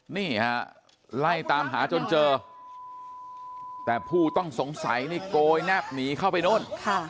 นี่ฮะไล่ตามหาจนเจอแต่ผู้ต้องสงสัยนี่โกยแนบหนีเข้าไปนู่น